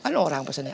ada orang pesennya